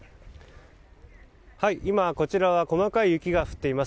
今、こちらは細かい雪が降っています。